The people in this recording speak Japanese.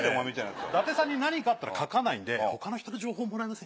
伊達さんに何かあったら書かないんで他の人の情報もらえませんか？